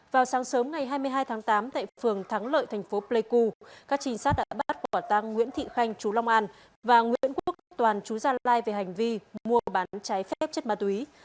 vào sáng sớm ngày hai mươi hai tháng tám tại phường thắng lợi thành phố pleiku các trinh sát đã bắt quả tăng nguyễn thị khanh chú long an và nguyễn quốc toàn chú gia lai về hành vi mua bán trái phép chất ma túy